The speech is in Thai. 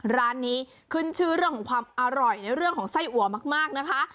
ร้านนี้ขึ้นชื่อเรื่องของความอร่อยในเรื่องของไส้อัวมากนะคะ